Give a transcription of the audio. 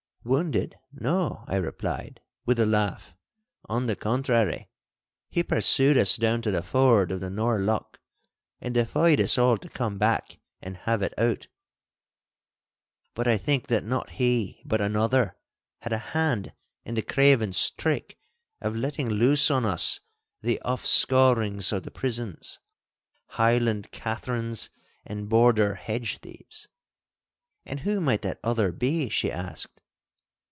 'Wounded? No,' I replied, with a laugh; 'on the contrary, he pursued us down to the ford of the Nor' Loch, and defied us all to come back and have it out. But I think that not he but another, had a hand in the craven's trick of letting loose on us the offscourings of the prisons—Highland catherans and Border hedgethieves.' 'And who might that other be?' she asked.